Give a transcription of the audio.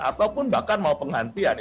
ataupun bahkan mau penghentian